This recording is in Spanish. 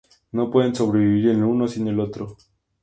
No pueden sobrevivir el uno sin el otro.